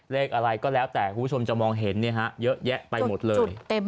เลขอะไรก็แล้วแต่คุณผู้ชมจะมองเห็นเยอะแยะไปหมดเลย